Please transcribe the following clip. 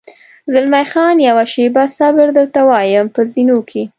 زلمی خان: یوه شېبه صبر، درته وایم، په زینو کې.